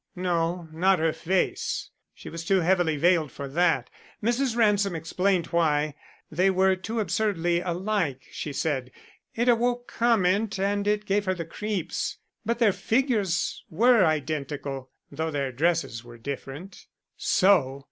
"No, not her face; she was too heavily veiled for that. Mrs. Ransom explained why. They were too absurdly alike, she said. It awoke comment and it gave her the creeps. But their figures were identical though their dresses were different." "So!